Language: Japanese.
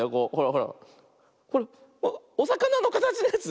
ほらおさかなのかたちのやつ。